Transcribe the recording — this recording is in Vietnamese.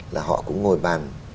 là họ cũng ngồi bàn